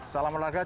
salam olahraga pak